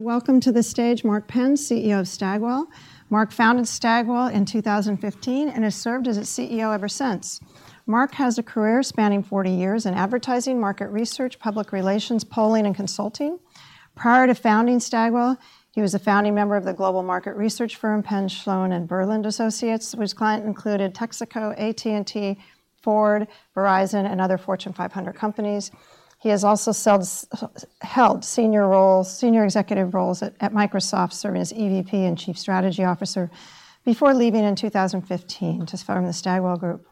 Welcome to the stage, Mark Penn, CEO of Stagwell. Mark founded Stagwell in 2015 and has served as its CEO ever since. Mark has a career spanning 40 years in advertising, market research, public relations, polling, and consulting. Prior to founding Stagwell, he was a founding member of the global market research firm, Penn, Schoen & Berland Associates, whose clients included Texaco, AT&T, Ford, Verizon, and other Fortune 500 companies. He has also held senior executive roles at Microsoft, serving as EVP and Chief Strategy Officer, before leaving in 2015 to found the Stagwell Group.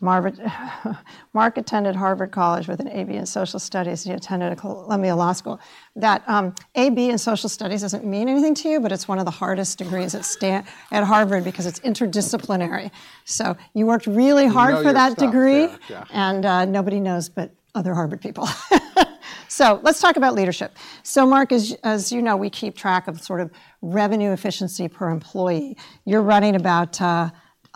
Mark attended Harvard College with an AB in Social Studies, and he attended Columbia Law School. That AB in Social Studies doesn't mean anything to you, but it's one of the hardest degrees at Harvard because it's interdisciplinary. So you worked really hard for that degree. Nobody knows but other Harvard people. So let's talk about leadership. Mark, as you know, we keep track of sort of revenue efficiency per employee. You're running about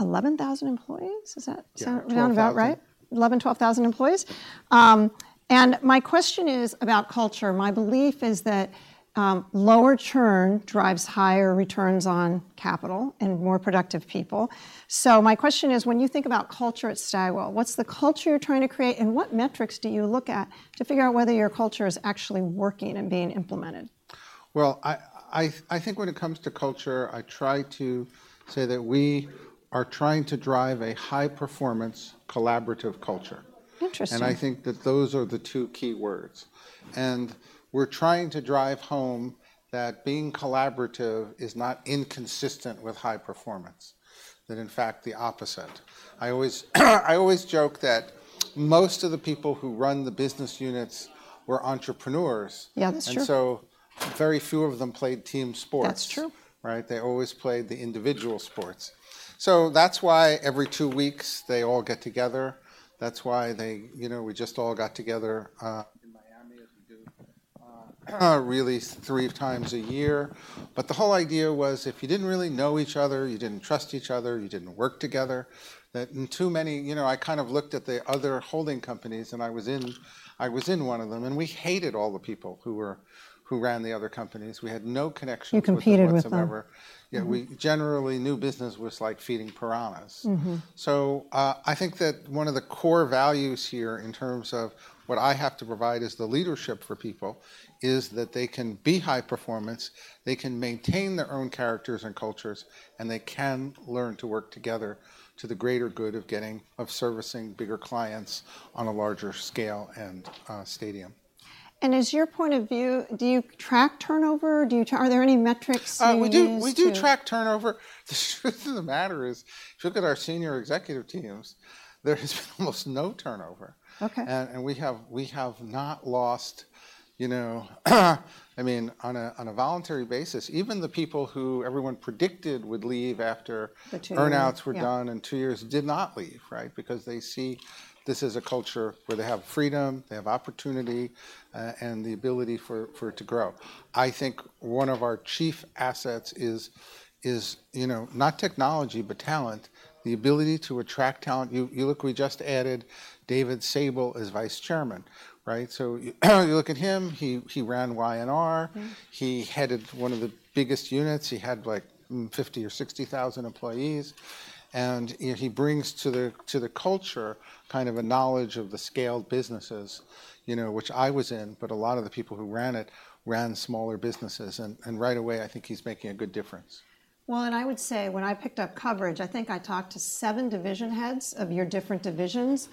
11,000 employees. Is that, around about, right? 11,000-12,000 employees. And my question is about culture. My belief is that lower churn drives higher returns on capital and more productive people. So my question is, when you think about culture at Stagwell, what's the culture you're trying to create, and what metrics do you look at to figure out whether your culture is actually working and being implemented? Well, I think when it comes to culture, I try to say that we are trying to drive a high performance, collaborative culture. Interesting. I think that those are the two key words. We're trying to drive home that being collaborative is not inconsistent with high performance, that in fact, the opposite. I always joke that most of the people who run the business units were entrepreneurs. Yeah, that's true. Very few of them played team sports. That's true. Right? They always played the individual sports. So that's why every two weeks, they all get together. That's why they, you know, we just all got together, in Miami, as we do, really three times a year. But the whole idea was, if you didn't really know each other, you didn't trust each other, you didn't work together, that and too many. You know, I kind of looked at the other holding companies, and I was in, I was in one of them, and we hated all the people who were who ran the other companies. We had no connection whatsoever. You competed with them. Yeah, we- Mm-hmm. Generally, new business was like feeding piranhas. Mm-hmm. So, I think that one of the core values here, in terms of what I have to provide as the leadership for people, is that they can be high performance, they can maintain their own characters and cultures, and they can learn to work together to the greater good of servicing bigger clients on a larger scale and, stadium. Is your point of view, do you track turnover? Are there any metrics you use to? We do, we do track turnover. The truth of the matter is, if you look at our senior executive teams, there is almost no turnover. Okay. And we have not lost, you know, I mean, on a voluntary basis, even the people who everyone predicted would leave after. The turnover, yeah. Earn-outs were done in two years, did not leave, right? Because they see this as a culture where they have freedom, they have opportunity, and the ability for it to grow. I think one of our chief assets is, you know, not technology, but talent, the ability to attract talent. You look, we just added David Sable as Vice Chairman, right? So, you look at him, he ran Y&R. Mm-hmm. He headed one of the biggest units. He had, like, 50,000 or 60,000 employees. You know, he brings to the culture kind of a knowledge of the scaled businesses, you know, which I was in, but a lot of the people who ran it ran smaller businesses. Right away, I think he's making a good difference. Well, and I would say, when I picked up coverage, I think I talked to seven division heads of your different divisions,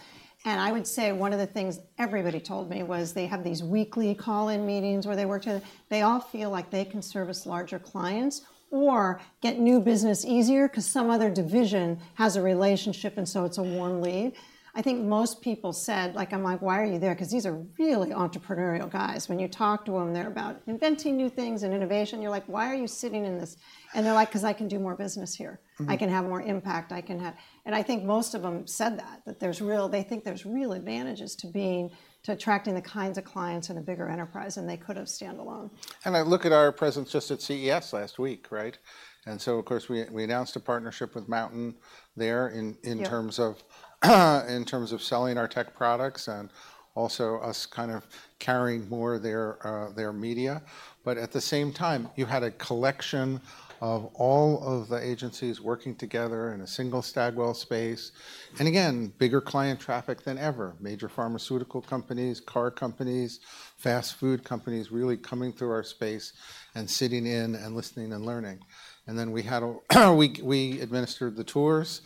and I would say one of the things everybody told me was they have these weekly call-in meetings where they work together. They all feel like they can service larger clients or get new business easier because some other division has a relationship, and so it's a warm lead. I think most people said like, I'm like: "Why are you there?" Because these are really entrepreneurial guys. When you talk to them, they're about inventing new things and innovation. You're like: "Why are you sitting in this?" And they're like: "Because I can do more business here. Mm-hmm. I can have more impact. I can have." And I think most of them said that, that there's real advantages to being, to attracting the kinds of clients in a bigger enterprise than they could have standalone. I look at our presence just at CES last week, right? So, of course, we announced a partnership with MNTN there. Yeah In terms of selling our tech products and also us kind of carrying more of their media. But at the same time, you had a collection of all of the agencies working together in a single Stagwell space. And again, bigger client traffic than ever. Major pharmaceutical companies, car companies, fast food companies, really coming through our space and sitting in and listening and learning. And then we administered the tours.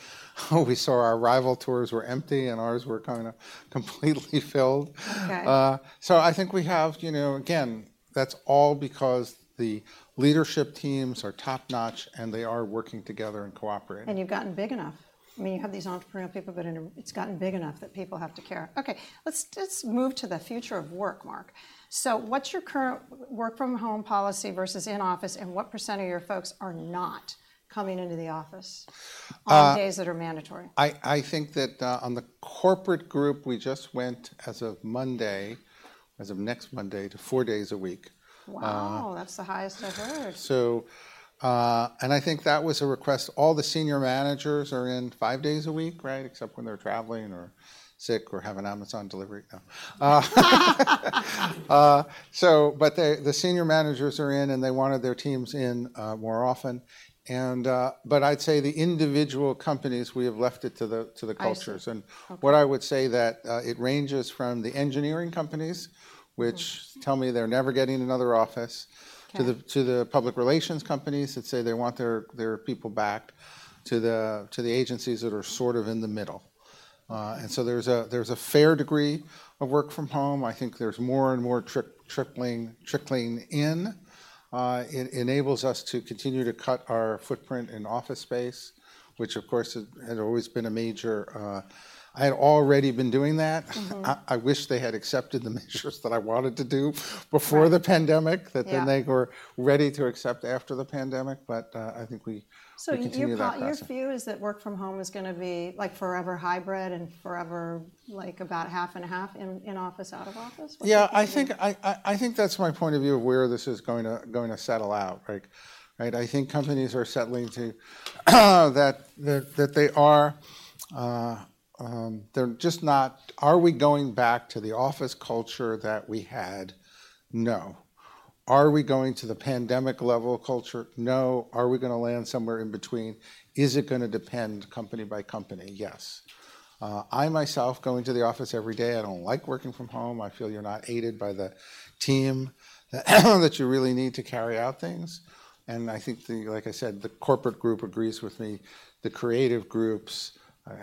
We saw our rival tours were empty and ours were kind of completely filled. Okay. So, I think we have you know, again, that's all because the leadership teams are top-notch, and they are working together and cooperating. You've gotten big enough. I mean, you have these entrepreneurial people, but in a, it's gotten big enough that people have to care. Okay, let's, let's move to the future of work, Mark. So what's your current work-from-home policy versus in-office, and what percent of your folks are not coming into the office? Uh. On days that are mandatory? I think that on the corporate group, we just went, as of Monday, as of next Monday, to four days a week. Wow, that's the highest I've heard. So, and I think that was a request. All the senior managers are in five days a week, right? Except when they're traveling or sick or have an Amazon delivery. No. So but they the senior managers are in, and they wanted their teams in more often. And but I'd say the individual companies, we have left it to the, to the cultures. I see. Okay. What I would say that, it ranges from the engineering companies, which tell me they're never getting another office. Okay To the public relations companies that say they want their people back, to the agencies that are sort of in the middle. And so there's a fair degree of work from home. I think there's more and more trickling in. It enables us to continue to cut our footprint in office space, which, of course, has always been a major. I had already been doing that. Mm-hmm. I wish they had accepted the measures that I wanted to do before the pandemic. Yeah That then they were ready to accept after the pandemic, but I think we continue that person. So your view is that work from home is gonna be, like, forever hybrid and forever, like, about half and half in office, out of office? What do you think? Yeah, I think that's my point of view of where this is going to settle out, right? Right, I think companies are settling to that they are, they're just not, "Are we going back to the office culture that we had?" No. "Are we going to the pandemic level of culture?" No. "Are we gonna land somewhere in between? Is it gonna depend company by company?" Yes. I myself go into the office every day. I don't like working from home. I feel you're not aided by the team, that you really need to carry out things, and I think, like I said, the corporate group agrees with me. The creative groups,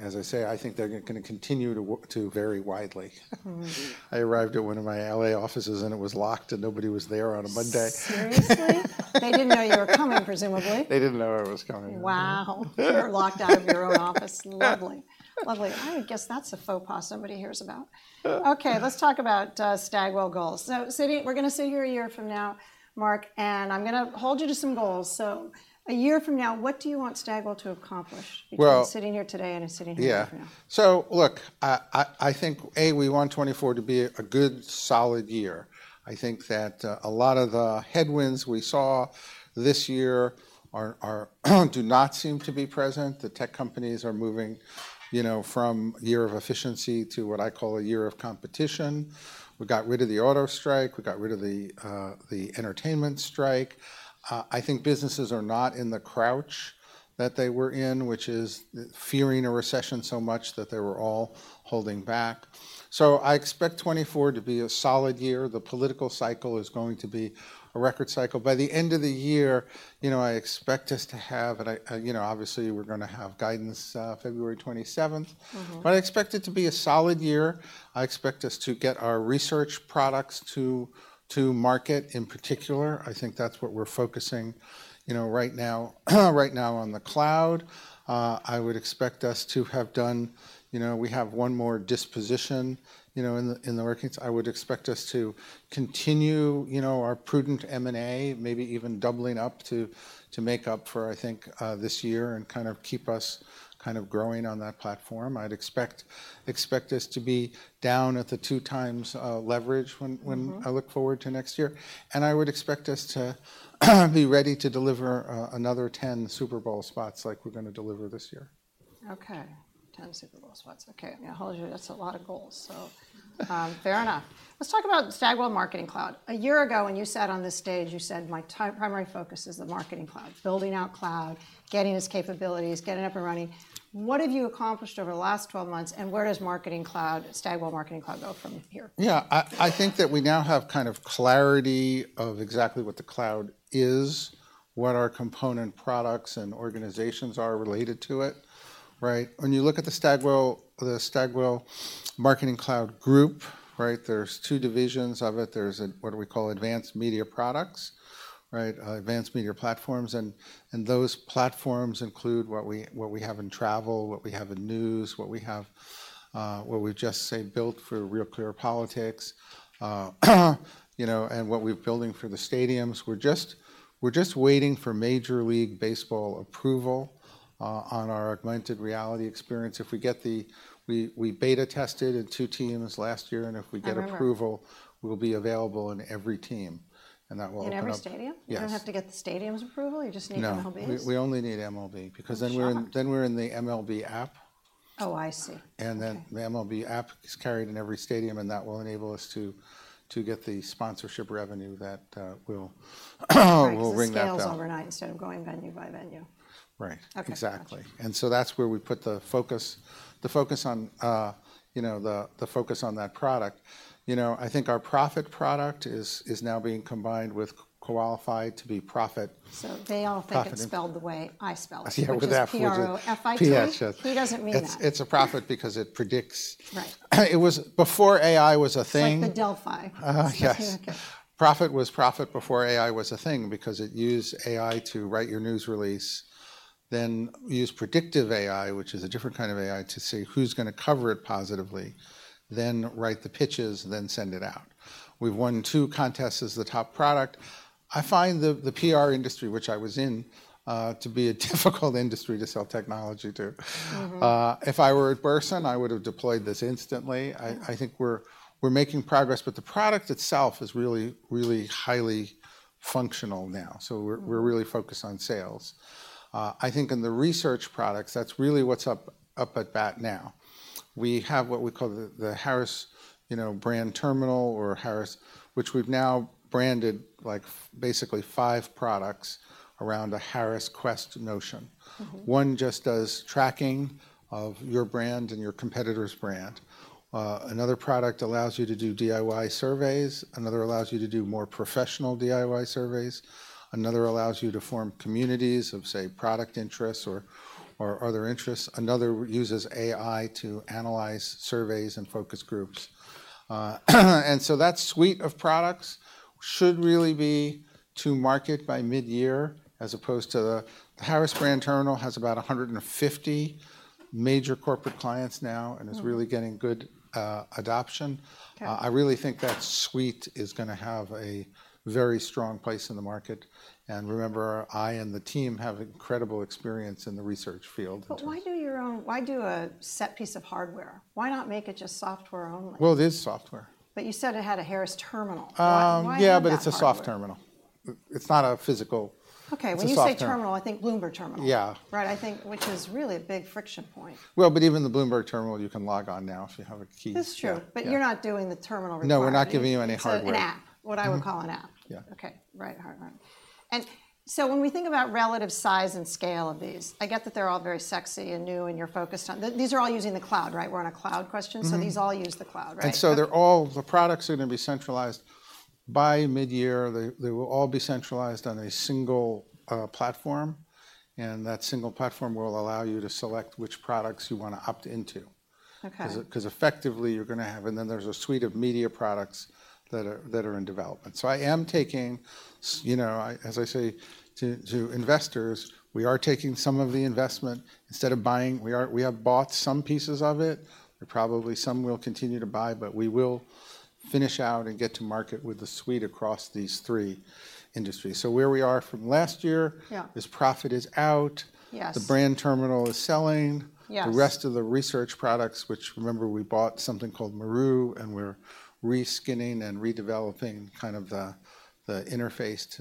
as I say, I think they're gonna continue to vary widely. Mm-hmm. I arrived at one of my L.A. offices, and it was locked, and nobody was there on a Monday. Seriously? They didn't know you were coming, presumably. They didn't know I was coming. Wow! You were locked out of your own office. Lovely, lovely. I would guess that's a faux pas somebody hears about. Yeah. Okay, let's talk about Stagwell goals. So we're gonna sit here a year from now, Mark, and I'm gonna hold you to some goals. So a year from now, what do you want Stagwell to accomplish? Well. Between sitting here today and sitting here a year from now? Yeah. So look, I think we want 2024 to be a good, solid year. I think that a lot of the headwinds we saw this year do not seem to be present. The tech companies are moving, you know, from a year of efficiency to what I call a year of competition. We got rid of the auto strike, we got rid of the entertainment strike. I think businesses are not in the crouch that they were in, which is fearing a recession so much that they were all holding back. So I expect 2024 to be a solid year. The political cycle is going to be a record cycle. By the end of the year, you know, I expect us to have and I, you know, obviously, we're gonna have guidance February 27. Mm-hmm. But I expect it to be a solid year. I expect us to get our research products to market. In particular, I think that's what we're focusing, you know, right now, right now on the cloud. I would expect us to have done, you know, we have one more disposition, you know, in the workings. I would expect us to continue, you know, our prudent M&A, maybe even doubling up to make up for, I think, this year and kind of keep us kind of growing on that platform. I'd expect us to be down at the 2x leverage when, when I look forward to next year. I would expect us to be ready to deliver another 10 Super Bowl spots like we're gonna deliver this year. Okay, 10 Super Bowl spots. Okay, I'm gonna hold you. That's a lot of goals. Fair enough. Let's talk about Stagwell Marketing Cloud. A year ago, when you sat on this stage, you said, "My primary focus is the Marketing Cloud, building out cloud, getting its capabilities, getting up and running." What have you accomplished over the last 12 months, and where does Marketing Cloud, Stagwell Marketing Cloud, go from here? Yeah, I think that we now have kind of clarity of exactly what the cloud is, what our component products and organizations are related to it, right? When you look at the Stagwell, the Stagwell Marketing Cloud group, right, there's two divisions of it. There's what we call Advanced Media Products, right, Advanced Media Platforms, and those platforms include what we have in travel, what we have in news, what we have, what we've just built for RealClearPolitics, you know, and what we're building for the stadiums. We're just waiting for Major League Baseball approval on our augmented reality experience. If we get, we beta tested in two teams last year, and if we get approval. I remember We'll be available in every team, and that will open up. In every stadium? Yes. You don't have to get the stadium's approval, you just need MLB's? No, we only need MLB, because then we're in, then we're in the MLB app. Oh, I see. And then the MLB app is carried in every stadium, and that will enable us to get the sponsorship revenue that will bring that down. Increase the scales overnight instead of going venue by venue. Right. Okay. Exactly. Gotcha. And so that's where we put the focus, the focus on, you know, the focus on that product. You know, I think our PRophet product is now being combined with Koalifyed to be PRophet. So they all think it's spelled the way I spell it. Yeah, with that. Which is P-R-O-F-I-T. P.R., yes, yes. Who doesn't mean that? It's a PRophet because it predicts. Right. It was before AI was a thing. Like the Delphi. Uh, yes. Okay. PRophet was PRophet before AI was a thing because it used AI to write your news release, then use predictive AI, which is a different kind of AI, to see who's gonna cover it positively, then write the pitches, then send it out. We've won two contests as the top product. I find the PR industry, which I was in, to be a difficult industry to sell technology to. If I were at Burson, I would have deployed this instantly. I think we're making progress, but the product itself is really highly functional now, so we're really focused on sales. I think in the research products, that's really what's up at bat now. We have what we call the Harris, you know, brand terminal or Harris, which we've now branded, like, basically five products around a Harris Quest notion. One just does tracking of your brand and your competitor's brand. Another product allows you to do DIY surveys, another allows you to do more professional DIY surveys, another allows you to form communities of, say, product interests or other interests. Another uses AI to analyze surveys and focus groups. And so that suite of products should really be to market by mid-year, as opposed to the Harris Brand Platform has about 150 major corporate clients now and is really getting good adoption. Okay. I really think that suite is going to have a very strong place in the market, and remember, I and the team have incredible experience in the research field. But why do a set piece of hardware? Why not make it just software only? Well, it is software. But you said it had a Harris Terminal. Um. Why, why have that software? Yeah, but it's a soft terminal. It's not a physical. Okay, when you say. It's a soft terminal. Terminal, I think Bloomberg terminal. Yeah. Right. I think, which is really a big friction point. Well, but even the Bloomberg Terminal, you can log on now if you have a key. That's true. Yeah, yeah. You're not doing the terminal requiring. No, we're not giving you any hardware. So an app. Mm-hmm. What I would call an app. Yeah. Okay. Right, hard drive. And so when we think about relative size and scale of these, I get that they're all very sexy and new, and you're focused on, these are all using the cloud, right? We're on a cloud question. Mm-hmm. These all use the cloud, right? And so they're all, the products are going to be centralized. By mid-year, they will all be centralized on a single platform, and that single platform will allow you to select which products you want to opt into. Okay. 'Cause effectively, you're going to have, and then there's a suite of media products that are in development. So I am taking some, you know, as I say to investors, we are taking some of the investment. Instead of buying, we are, we have bought some pieces of it, and probably some we'll continue to buy, but we will finish out and get to market with the suite across these three industries. So where we are from last year is PRophet is out. Yes. The brand terminal is selling. Yes. The rest of the research products, which, remember, we bought something called Maru, and we're re-skinning and redeveloping kind of the interface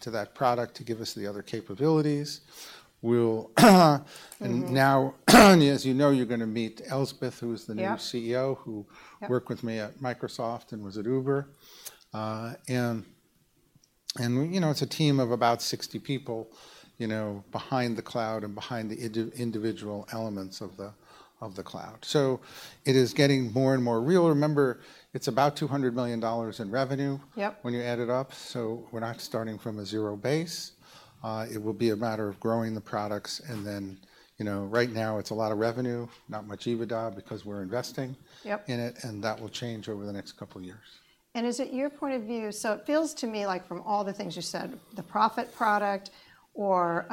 to that product to give us the other capabilities. We'll, now, as you know, you're going to meet Elspeth- Yeah Who is the new CEO. Yeah Who worked with me at Microsoft and was at Uber. And you know, it's a team of about 60 people, you know, behind the cloud and behind the individual elements of the cloud. So it is getting more and more real. Remember, it's about $200 million in revenue. Yep When you add it up, so we're not starting from a zero base. It will be a matter of growing the products and then, you know, right now, it's a lot of revenue, not much EBITDA, because we're investing in it, and that will change over the next couple of years. Is it your point of view, o it feels to me like from all the things you said, the PRophet product or,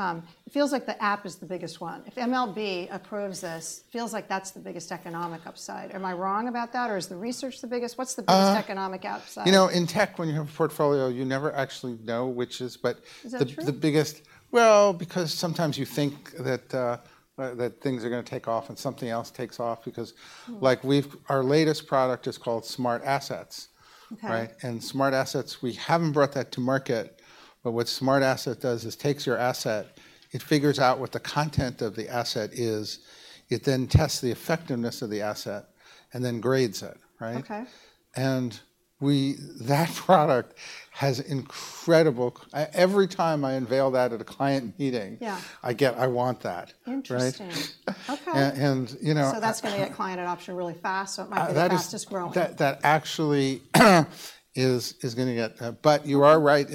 it feels like the app is the biggest one. If MLB approves this, feels like that's the biggest economic upside. Am I wrong about that, or is the research the biggest? What's the biggest economic upside? You know, in tech, when you have a portfolio, you never actually know which is, but- Is that true? Well, because sometimes you think that things are going to take off, and something else takes off. Hmm. Because, like, we've our latest product is called SmartAssets. Okay. Right? And SmartAssets, we haven't brought that to market, but what SmartAssets does is takes your asset, it figures out what the content of the asset is, it then tests the effectiveness of the asset, and then grades it, right? Okay. That product has incredible. Every time I unveil that at a client meeting. I get, "I want that. Interesting. Right? Okay. And, you know. So that's going to get client adoption really fast, so it might be the fastest growing? That actually is going to get. But you are right,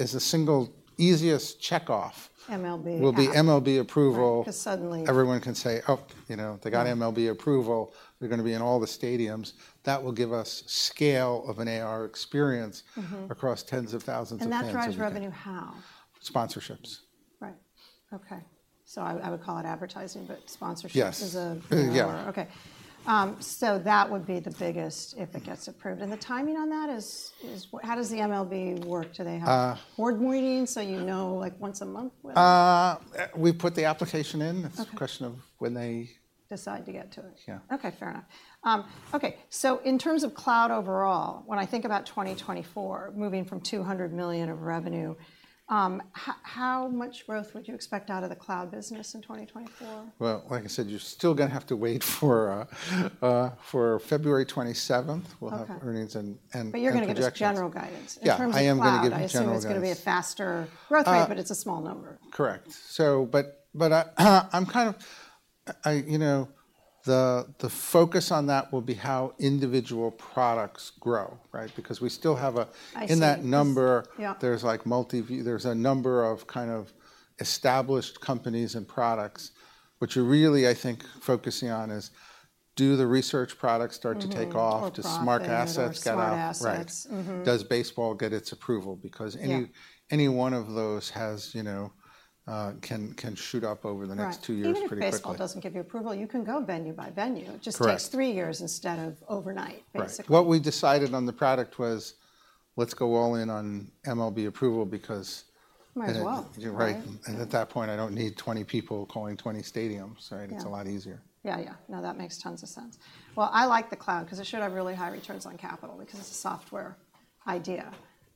the single easiest checkoff. MLB app Will be MLB approval. Right, 'cause suddenly- Everyone can say, "Oh, you know, they got MLB approval. They're going to be in all the stadiums." That will give us scale of an AR experience- Mm-hmm Across tens of thousands of fans. That drives revenue how? Sponsorships. Right. Okay, so I would call it advertising, but sponsorships. Yes Is a broader. Yeah. Okay. So that would be the biggest if it gets approved. The timing on that is, what, how does the MLB work? Do they have board meetings, so you know, like, once a month when? We put the application in. Okay. It's a question of when they- Decide to get to it. Yeah. Okay, fair enough. Okay, so in terms of cloud overall, when I think about 2024, moving from $200 million of revenue, how much growth would you expect out of the cloud business in 2024? Well, like I said, you're still going to have to wait for February 27th. Okay. We'll have earnings and projections. But you're going to give us general guidance. Yeah, I am going to give you general guidance. In terms of cloud, I assume it's going to be a faster growth rate, but it's a small number. Correct. So, but I'm kind of, you know, the focus on that will be how individual products grow, right? Because we still have a- I see... in that number- Yeah... there's like multi view. There's a number of kind of established companies and products, which we're really, I think, focusing on is: Do the research products start to take off? Mm-hmm, or PRophet. Do SmartAssets get out? Smart assets. Right. Mm-hmm. Does baseball get its approval? Yeah. Because any one of those has, you know, can shoot up over the next- Right... two years pretty quickly. Even if baseball doesn't give you approval, you can go venue by venue. Correct. It just takes three years instead of overnight, basically. Right. What we decided on the product was, let's go all in on MLB approval, because-... Might as well. You're right. And at that point, I don't need 20 people calling 20 stadiums, right? Yeah. It's a lot easier. Yeah, yeah. No, that makes tons of sense. Well, I like the cloud, 'cause it should have really high returns on capital, because it's a software idea,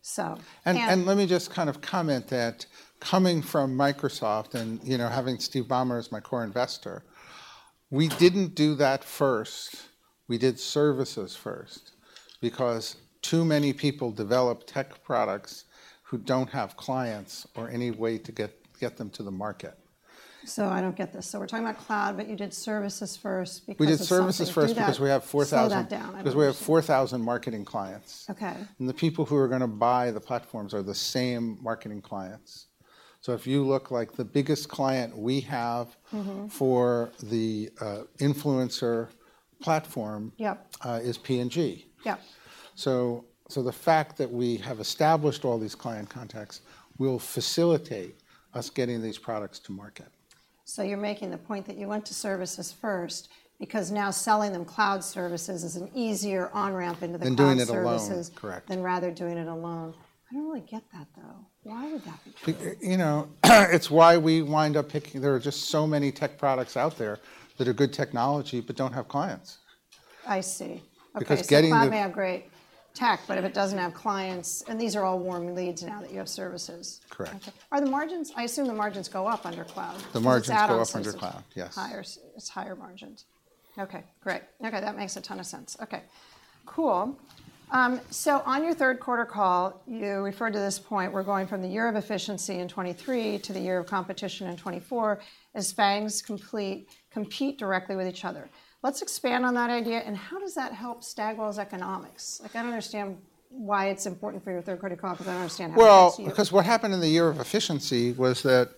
so- Let me just kind of comment that coming from Microsoft, and, you know, having Steve Ballmer as my core investor, we didn't do that first. We did services first, because too many people develop tech products who don't have clients or any way to get them to the market. I don't get this. We're talking about cloud, but you did services first because of something- We did services first- Slow that down. Because we have 4,000 marketing clients. Okay. The people who are gonna buy the platforms are the same marketing clients. If you look, like, the biggest client we have- Mm-hmm... for the, influencer platform- Yep - is P&G. Yep. So, the fact that we have established all these client contacts will facilitate us getting these products to market. You're making the point that you went to services first, because now selling them cloud services is an easier on-ramp into the cloud services- Than doing it alone. Correct. Than rather doing it alone. I don't really get that, though. Why would that be true? You know, it's why we wind up picking. There are just so many tech products out there that are good technology but don't have clients. I see. Okay. Because getting the- Cloud may have great tech, but if it doesn't have clients... These are all warm leads now that you have services? Correct. Okay. Are the margins, I assume the margins go up under cloud? The margins go up under cloud, yes. Higher, it's higher margins. Okay, great. Okay, that makes a ton of sense. Okay, cool. So on your third quarter call, you referred to this point: "We're going from the year of efficiency in 2023 to the year of competition in 2024, as FAANGs compete directly with each other." Let's expand on that idea, and how does that help Stagwell's economics? Like, I don't understand why it's important for your third quarter call, because I don't understand how it fits here. Well, because what happened in the year of efficiency was that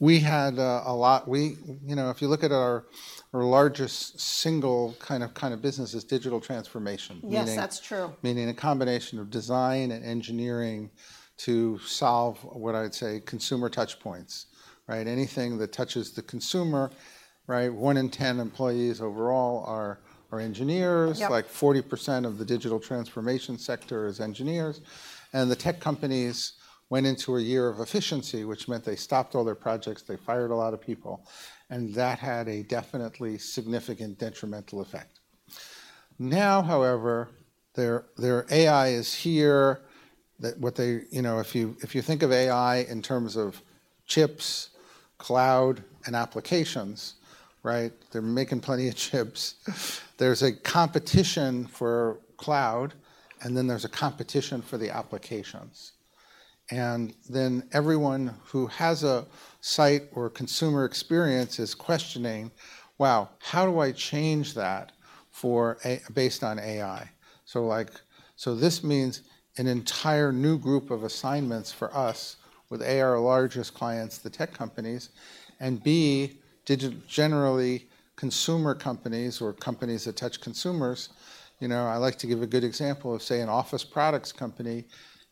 we had a lot. You know, if you look at our largest single kind of business is digital transformation. Yes, that's true.... Meaning a combination of design and engineering to solve, what I'd say, consumer touch points, right? Anything that touches the consumer, right? 1 in 10 employees overall are engineers. Yep. Like, 40% of the digital transformation sector is engineers. And the tech companies went into a year of efficiency, which meant they stopped all their projects, they fired a lot of people, and that had a definitely significant detrimental effect. Now, however, their AI is here. You know, if you think of AI in terms of chips, cloud, and applications, right? They're making plenty of chips. There's a competition for cloud, and then there's a competition for the applications. And then everyone who has a site or consumer experience is questioning: "Wow, how do I change that for AI, based on AI?" So, like, so this means an entire new group of assignments for us, with A, our largest clients, the tech companies, and B, digitally, generally, consumer companies or companies that touch consumers. You know, I like to give a good example of, say, an office products company,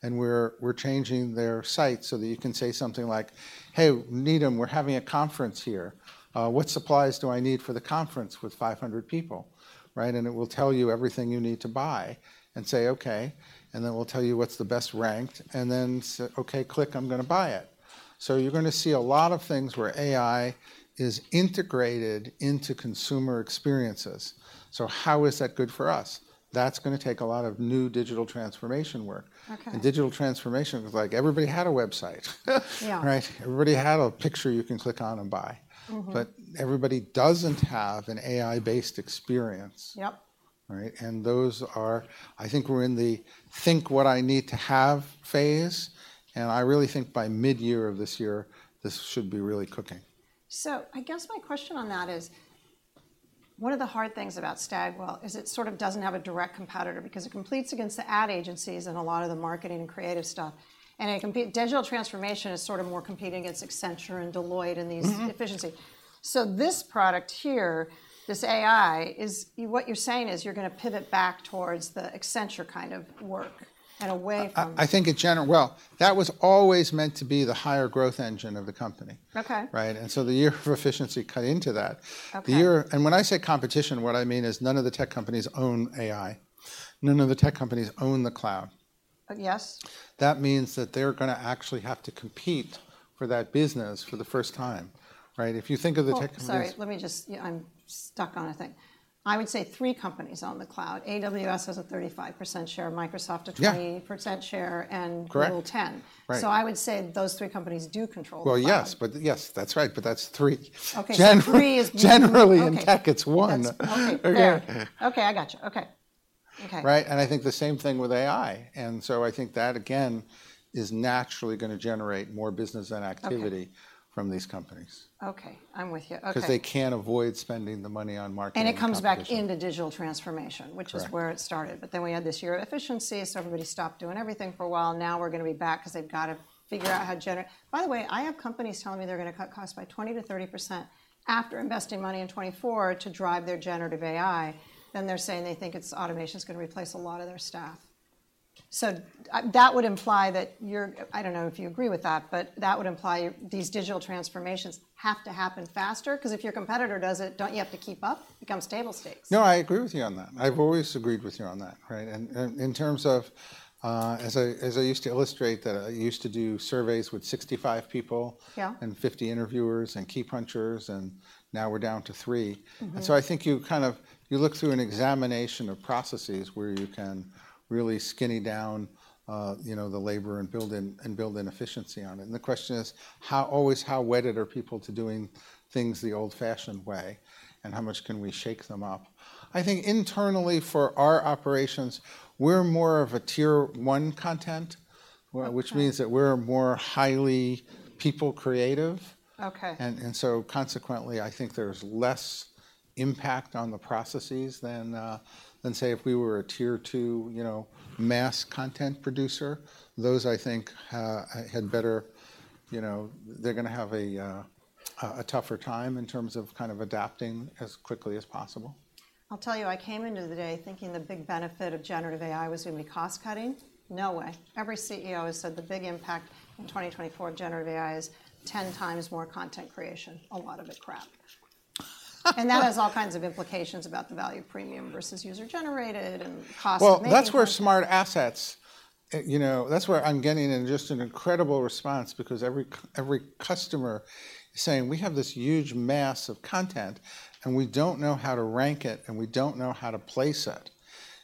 and we're, we're changing their site so that you can say something like: "Hey, Needham, we're having a conference here. What supplies do I need for the conference with 500 people," right? And it will tell you everything you need to buy and say okay, and then will tell you what's the best ranked, and then "Okay, click, I'm gonna buy it." So you're gonna see a lot of things where AI is integrated into consumer experiences. So how is that good for us? That's gonna take a lot of new digital transformation work. Okay. Digital transformation is like everybody had a website. Yeah. Right? Everybody had a picture you can click on and buy. Mm-hmm. But everybody doesn't have an AI-based experience. Yep. Right? And those are... I think we're in the think what I need to have phase, and I really think by mid-year of this year, this should be really cooking. So I guess my question on that is, one of the hard things about Stagwell is it sort of doesn't have a direct competitor, because it competes against the ad agencies in a lot of the marketing and creative stuff, and it compete-- digital transformation is sort of more competing against Accenture and Deloitte and these- Mm-hmm... efficiency. So this product here, this AI, is-- What you're saying is you're gonna pivot back towards the Accenture kind of work and away from- I think in general... Well, that was always meant to be the higher growth engine of the company. Okay. Right? And so the year of efficiency cut into that. Okay. And when I say competition, what I mean is none of the tech companies own AI. None of the tech companies own the cloud. Yes. That means that they're gonna actually have to compete for that business for the first time, right? If you think of the tech companies- Well, sorry, let me just... I'm stuck on a thing. I would say three companies own the cloud. AWS has a 35% share, Microsoft a- Yeah... 20% share, and Google- Correct... ten. Right. I would say those three companies do control the cloud. Well, yes, but. Yes, that's right, but that's three. Okay, Generally, in tech, it's one. Okay. Yeah. Okay, I gotcha. Okay. Okay. Right, and I think the same thing with AI, and so I think that, again, is naturally gonna generate more business and activity. Okay... from these companies. Okay, I'm with you. Okay. 'Cause they can't avoid spending the money on marketing and competition. It comes back into digital tansformation. Correct... which is where it started. But then we had this year of efficiency, so everybody stopped doing everything for a while. Now we're gonna be back because they've got to figure out how to gener- By the way, I have companies telling me they're gonna cut costs by 20%-30% after investing money in 2024 to drive their generative AI. Then they're saying they think it's, automation's gonna replace a lot of their staff. So, that would imply that you're- I don't know if you agree with that, but that would imply these digital transformations have to happen faster? 'Cause if your competitor does it, don't you have to keep up? Become stable stakes. No, I agree with you on that. I've always agreed with you on that, right? And in terms of, as I used to illustrate that I used to do surveys with 65 people- Yeah... and 50 interviewers, and key punchers, and now we're down to 3. Mm-hmm. And so I think you kind of, you look through an examination of processes where you can really skinny down, you know, the labor, and build in, and build in efficiency on it. And the question is: How, always, how wedded are people to doing things the old-fashioned way, and how much can we shake them up? I think internally, for our operations, we're more of a Tier One content- Okay... which means that we're more highly people creative. Okay. Consequently, I think there's less impact on the processes than, than, say, if we were a Tier Two, you know, mass content producer. Those, I think, had better... You know, they're gonna have a tougher time in terms of kind of adapting as quickly as possible. I'll tell you, I came into today thinking the big benefit of generative AI was gonna be cost cutting. No way. Every CEO has said the big impact in 2024 of generative AI is ten times more content creation, a lot of it crap. And that has all kinds of implications about the value of premium versus user-generated and cost- Well, that's where SmartAssets, you know, that's where I'm getting in just an incredible response because every customer is saying, "We have this huge mass of content, and we don't know how to rank it, and we don't know how to place it."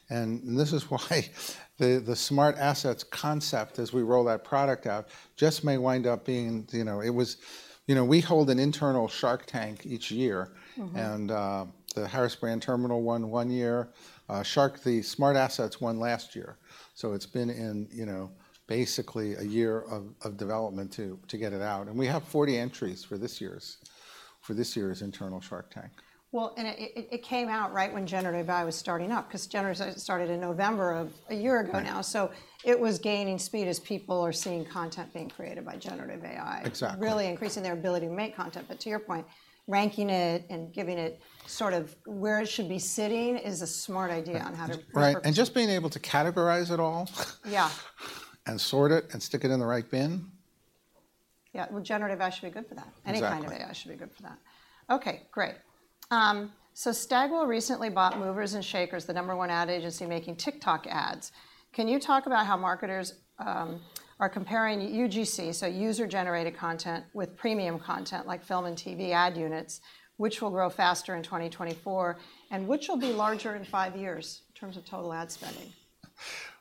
And this is why the SmartAssets concept, as we roll that product out, just may wind up being. You know, it was. You know, we hold an internal Shark Tank each year. Mm-hmm. The Harris Brand Platform won one year. Shark, the SmartAssets, won last year. So it's been in, you know, basically a year of development to get it out, and we have 40 entries for this year's internal Shark Tank. Well, and it came out right when generative AI was starting up, 'cause generative AI started in November of a year ago now. Right. It was gaining speed as people are seeing content being created by Generative AI. Exactly... really increasing their ability to make content. But to your point, ranking it and giving it sort of where it should be sitting is a smart idea on how to represent- Right, and just being able to categorize it all. Yeah. Sort it, and stick it in the right bin. Yeah, well, Generative AI should be good for that. Exactly. Any kind of AI should be good for that. Okay, great. So Stagwell recently bought Movers + Shakers, the number one ad agency making TikTok ads. Can you talk about how marketers are comparing UGC, so user-generated content, with premium content, like film and TV ad units? Which will grow faster in 2024, and which will be larger in 5 years in terms of total ad spending?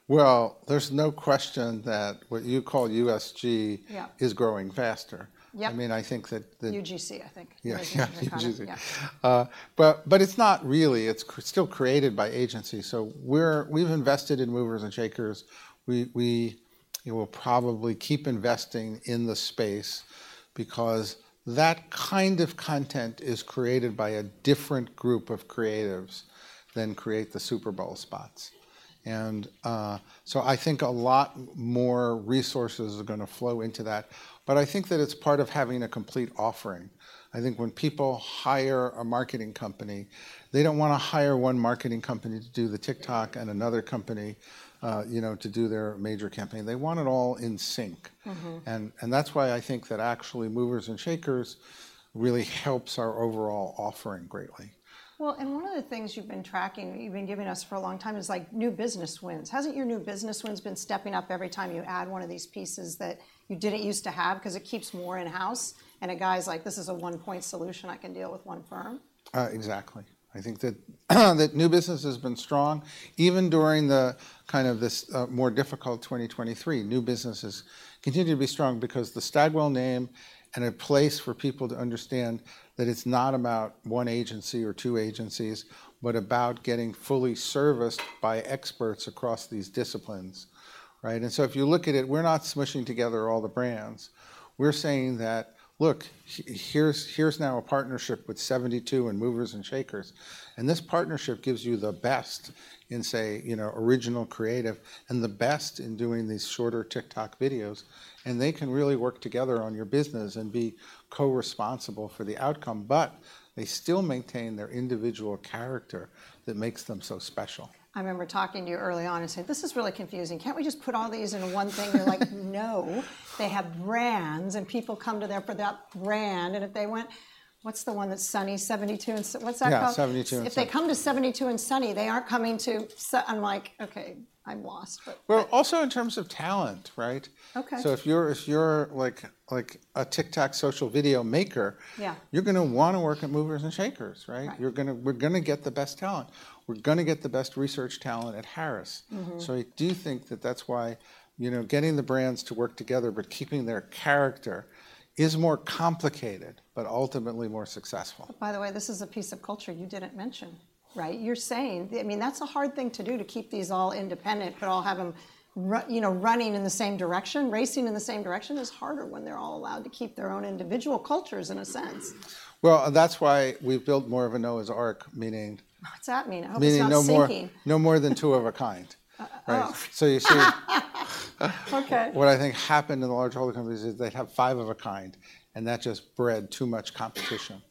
Well, there's no question that what you call UGC- Yeah... is growing faster. Yep. I mean, I think that the- UGC, I think. Yeah, UGC. Yeah. But it's not really, it's still created by agencies. So we've invested in Movers + Shakers. We, you know, will probably keep investing in the space because that kind of content is created by a different group of creatives than create the Super Bowl spots. And so I think a lot more resources are gonna flow into that, but I think that it's part of having a complete offering. I think when people hire a marketing company, they don't wanna hire one marketing company to do the TikTok and another company, you know, to do their major campaign. They want it all in sync. Mm-hmm. And, that's why I think that actually Movers + Shakers really helps our overall offering greatly. Well, and one of the things you've been tracking, you've been giving us for a long time is, like, new business wins. Hasn't your new business wins been stepping up every time you add one of these pieces that you didn't use to have, 'cause it keeps more in-house, and a guy's like: "This is a one-point solution. I can deal with one firm"? Exactly. I think that new business has been strong. Even during kind of this more difficult 2023, new business has continued to be strong because the Stagwell name and a place for people to understand that it's not about one agency or two agencies, but about getting fully serviced by experts across these disciplines, right? And so if you look at it, we're not smushing together all the brands. We're saying that, "Look, here's now a partnership with 72andSunny and Movers + Shakers, and this partnership gives you the best in, say, you know, original creative and the best in doing these shorter TikTok videos. And they can really work together on your business and be co-responsible for the outcome," but they still maintain their individual character that makes them so special. I remember talking to you early on and saying: "This is really confusing. Can't we just put all these into one thing?" You're like: "No, they have brands, and people come to there for that brand." And if they went... What's the one that's 72andSunny? And S- what's that called? Yeah, 72andSunny. If they come to 72andSunny, they aren't coming to S-. I'm like, "Okay, I'm lost," but, but- Well, also in terms of talent, right? Okay. So if you're like a TikTok social video maker- Yeah... you're gonna wanna work at Movers + Shakers, right? Right. We're gonna get the best talent. We're gonna get the best research talent at Harris. Mm-hmm. I do think that that's why, you know, getting the brands to work together but keeping their character is more complicated, but ultimately more successful. By the way, this is a piece of culture you didn't mention, right? You're saying... I mean, that's a hard thing to do, to keep these all independent, but all have them you know, running in the same direction. Racing in the same direction is harder when they're all allowed to keep their own individual cultures, in a sense. Well, and that's why we've built more of a Noah's Ark, meaning- What's that mean? I hope it's not sinking. Meaning no more, no more than two of a kind. Oh. Right. So you see... Okay. What I think happened in the large holding companies is they'd have five of a kind, and that just bred too much competition.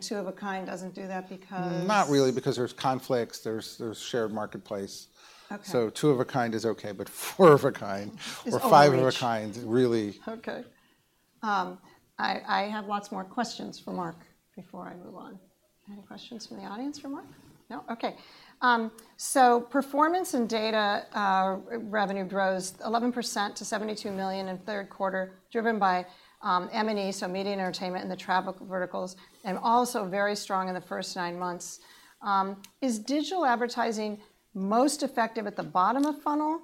Two of a kind doesn't do that because? Not really, because there's conflicts, there's shared marketplace. Okay. Two of a kind is okay, but four of a kind- Is overreach. or five of a kind, really. Okay. I, I have lots more questions for Mark before I move on. Any questions from the audience for Mark? No. Okay. Performance and data revenue grows 11% to $72 million in third quarter, driven by M&E, so media and entertainment in the travel verticals, and also very strong in the first nine months. Is digital advertising most effective at the bottom of funnel,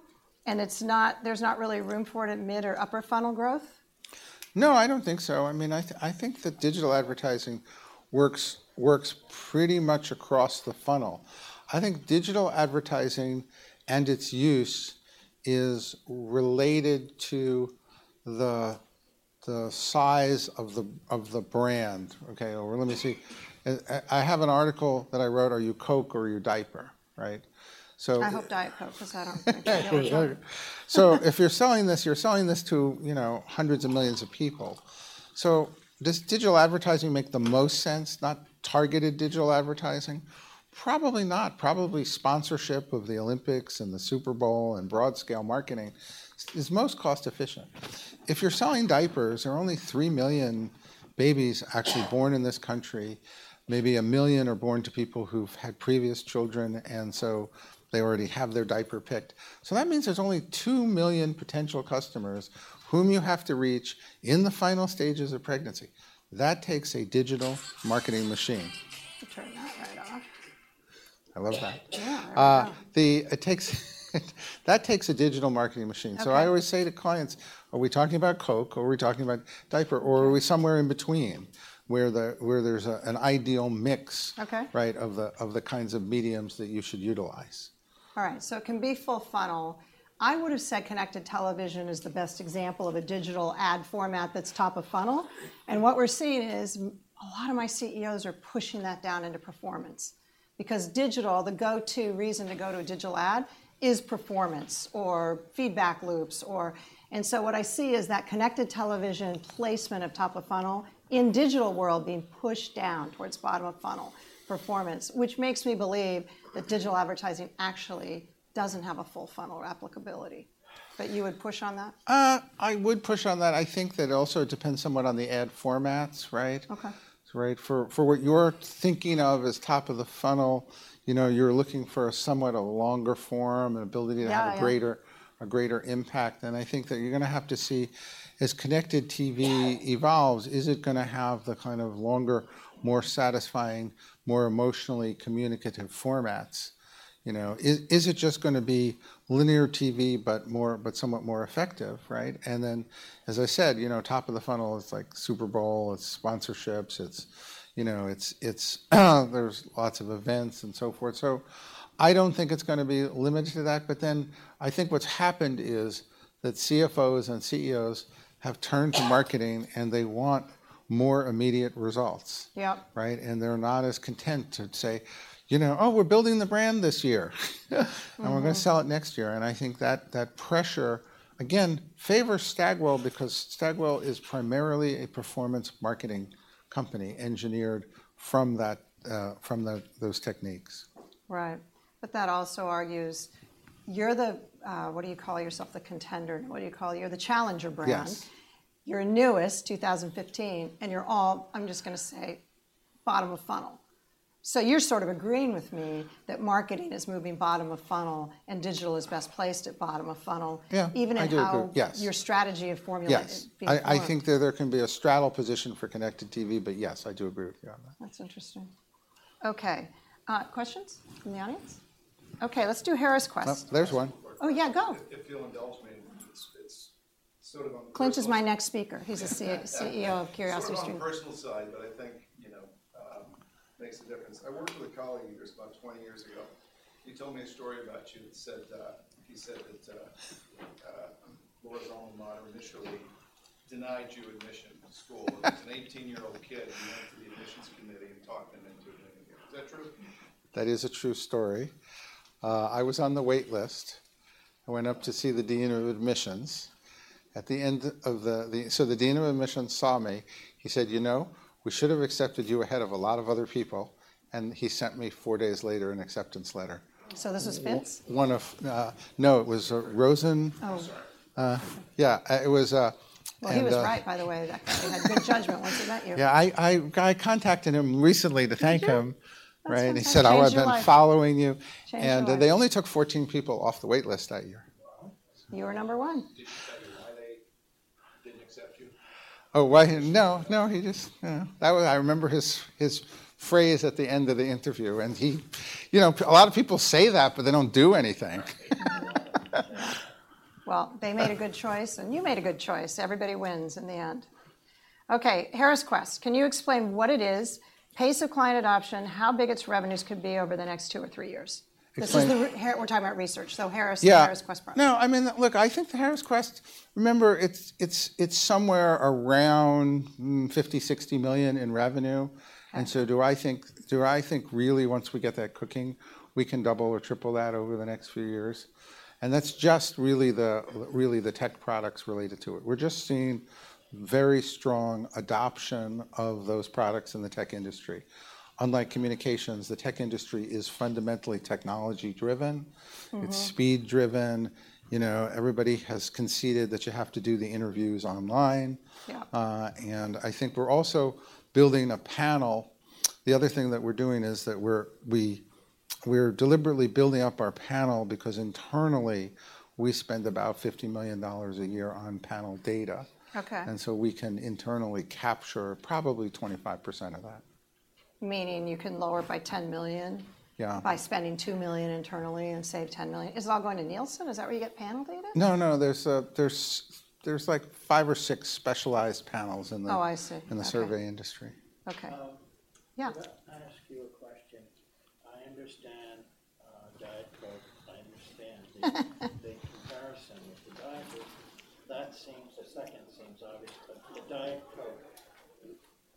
and it's not, there's not really room for it at mid or upper funnel growth? No, I don't think so. I mean, I think that digital advertising works, works pretty much across the funnel. I think digital advertising and its use is related to the size of the brand. Okay, well, let me see. I have an article that I wrote: Are you Coke or are you diaper, right? So- I hope diaper, 'cause I don't drink Coke. So if you're selling this, you're selling this to, you know, hundreds of millions of people. So does digital advertising make the most sense, not targeted digital advertising? Probably not. Probably sponsorship of the Olympics and the Super Bowl and broad scale marketing is most cost efficient. If you're selling diapers, there are only 3 million babies actually born in this country. Maybe 1 million are born to people who've had previous children, and so they already have their diaper picked. So that means there's only 2 million potential customers whom you have to reach in the final stages of pregnancy. That takes a digital marketing machine. I'll turn that right off. I love that. Yeah. It takes a digital marketing machine. Okay. I always say to clients: Are we talking about Coke, or are we talking about diaper, or are we somewhere in between, where there's an ideal mix- Okay... right, of the kinds of mediums that you should utilize. All right, so it can be full funnel. I would have said connected television is the best example of a digital ad format that's top of funnel. And what we're seeing is a lot of my CEOs are pushing that down into performance, because digital, the go-to reason to go to a digital ad, is performance or feedback loops or... And so what I see is that connected television placement of top of funnel in digital world being pushed down towards bottom of funnel performance, which makes me believe that digital advertising actually doesn't have a full funnel applicability. But you would push on that? I would push on that. I think that it also depends somewhat on the ad formats, right? Okay. Right. For what you're thinking of as top of the funnel, you know, you're looking for a somewhat longer form, an ability- Yeah, I am.... to have a greater impact. And I think that you're gonna have to see, as connected TV evolves, is it gonna have the kind of longer, more satisfying, more emotionally communicative formats? You know, is it just gonna be linear TV, but somewhat more effective, right? And then, as I said, you know, top of the funnel is like Super Bowl, it's sponsorships, it's, you know, it's-- there's lots of events and so forth. So I don't think it's gonna be limited to that, but then I think what's happened is that CFOs and CEOs have turned to marketing, and they want more immediate results. Yeah. Right? And they're not as content to say, you know, "Oh, we're building the brand this year, and we're gonna sell it next year." And I think that pressure, again, favors Stagwell, because Stagwell is primarily a performance marketing company engineered from those techniques. Right. But that also argues, you're the, what do you call yourself? The contender. What do you call it? You're the challenger brand. Yes. You're newest, 2015, and you're all, I'm just gonna say, bottom of funnel. So you're sort of agreeing with me that marketing is moving bottom of funnel, and digital is best placed at bottom of funnel- Yeah, I do agree. Even in how- Yes... your strategy of formula- Yes... being formed. I think that there can be a straddle position for Connected TV, but yes, I do agree with you on that. That's interesting. Okay, questions from the audience? Okay, let's do Harris Quest. Oh, there's one. Oh, yeah, go! If you'll indulge me, it's sort of on- Clint is my next speaker. He's a CEO of Curiosity Stream. Sort of on personal side, but I think, you know, makes a difference. I worked with a colleague of yours about 20 years ago. He told me a story about you. He said that Laura's alma mater initially denied you admission to school as an 18-year-old kid, and you went to the admissions committee and talked them into admitting you. Is that true? That is a true story. I was on the wait list. I went up to see the dean of admissions. At the end of the, so the dean of admissions saw me. He said: "You know, we should have accepted you ahead of a lot of other people," and he sent me, four days later, an acceptance letter. This was Vince? One of... No, it was Rosen. Oh. Yeah, it was, and Well, he was right, by the way. He had good judgment once he met you. Yeah, I contacted him recently to thank him. Did you? Right, and he said: That's gonna change your life. Oh, I've been following you. Change your life. They only took 14 people off the wait list that year. You were number one. Oh, why? No, no, he just, I remember his phrase at the end of the interview, and he, you know, a lot of people say that, but they don't do anything.... Well, they made a good choice, and you made a good choice. Everybody wins in the end. Okay, Harris Quest, can you explain what it is, pace of client adoption, how big its revenues could be over the next two or three years? Explain- This is the Harris. We're talking about research, so Harris. Yeah... Harris Quest product. No, I mean, look, I think the Harris Quest, remember, it's somewhere around $50-$60 million in revenue. And so do I think really once we get that cooking, we can double or triple that over the next few years? And that's just really the tech products related to it. We're just seeing very strong adoption of those products in the tech industry. Unlike communications, the tech industry is fundamentally technology driven- Mm-hmm. It's speed-driven. You know, everybody has conceded that you have to do the interviews online. Yeah. I think we're also building a panel. The other thing that we're doing is that we're deliberately building up our panel because internally, we spend about $50 million a year on panel data. Okay. We can internally capture probably 25% of that. Meaning you can lower by $10 million? Yeah. By spending $2 million internally and save $10 million. Is it all going to Nielsen? Is that where you get panel data? No, no, there's like five or six specialized panels in the- Oh, I see.... in the survey industry. Okay. Yeah? Can I ask you a question? I understand Diet Coke. I understand the comparison with the doctors. That seems, the second seems obvious, but the Diet Coke,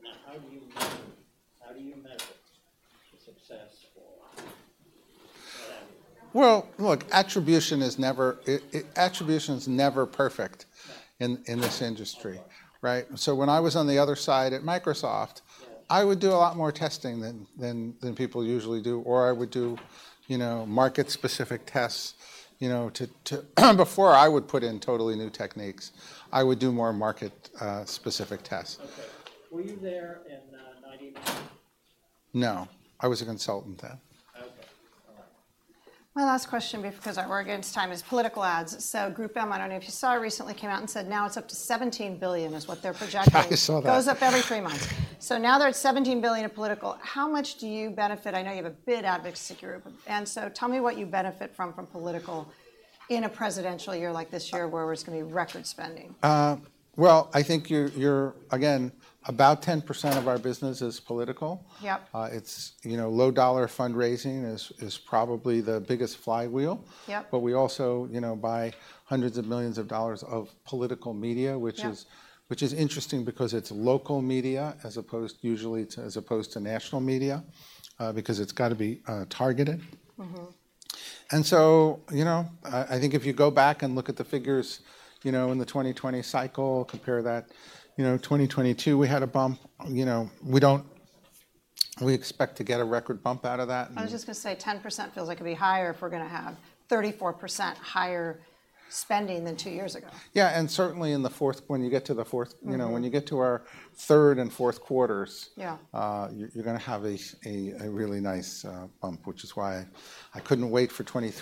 now, how do you measure success for that? Well, look, attribution is never perfect in this industry right? So when I was on the other side at Microsoft, I would do a lot more testing than people usually do, or I would do, you know, market-specific tests, you know, to before I would put in totally new techniques, I would do more market-specific tests. Okay. Were you there in 1999? No, I was a consultant then. My last question, because we're against time, is political ads. So Group M, I don't know if you saw, recently came out and said now it's up to $17 billion, is what they're projecting. I saw that. Goes up every three months. So now they're at $17 billion in political. How much do you benefit? I know you have a big advocacy group, and so tell me what you benefit from, from political in a presidential year like this year, where there's going to be record spending. Well, I think you're again, about 10% of our business is political. Yep. It's, you know, low dollar fundraising is probably the biggest flywheel. Yep. But we also, you know, buy $hundreds of millions of political media- Yeah... which is interesting because it's local media, as opposed usually to, as opposed to national media, because it's got to be targeted. Mm-hmm. And so, you know, I think if you go back and look at the figures, you know, in the 2020 cycle, compare that... You know, 2022, we had a bump. You know, we don't- we expect to get a record bump out of that. I was just going to say, 10% feels like it could be higher if we're going to have 34% higher spending than two years ago. Yeah, and certainly in the fourth, when you get to the fourth- Mm-hmm... you know, when you get to our third and fourth quarters- Yeah... you're going to have a really nice bump, which is why I couldn't wait for 2023-